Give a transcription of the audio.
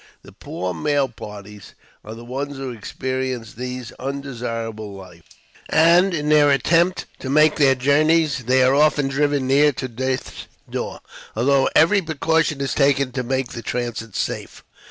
The poor mail parties are the ones who experience this undesirable life; and, in their attempts to make their journeys, they are often driven near to death's door, although every precaution is taken to make the transit safe.